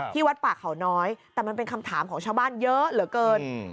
วัดป่าเขาน้อยแต่มันเป็นคำถามของชาวบ้านเยอะเหลือเกิน